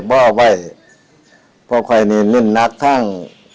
เพราะคนที่นินนะคะทั้ง